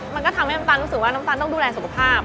มันก็ทำให้น้ำตาลรู้สึกว่าน้ำตาลต้องดูแลสุขภาพ